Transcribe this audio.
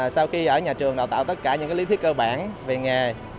sau khi ở nhà trường đào tạo tất cả những lý thuyết cơ bản về nghề